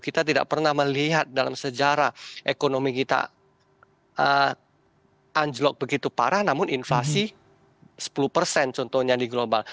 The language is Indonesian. kita tidak pernah melihat dalam sejarah ekonomi kita anjlok begitu parah namun inflasi sepuluh persen contohnya di global